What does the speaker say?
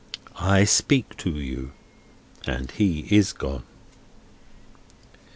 I speak to you, and he is gone."